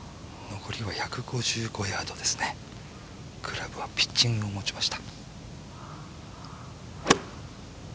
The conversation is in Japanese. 残りは１５５ヤードですね、クラブはピッチング持ちました。